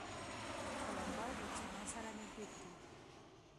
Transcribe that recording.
فلم باید انسانان سره نږدې کړي